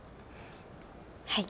はい。